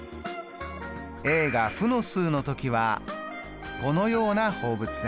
が負の数の時はこのような放物線。